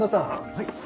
はい。